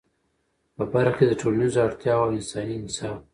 په برخه کي د ټولنیزو اړتیاوو او انساني انصاف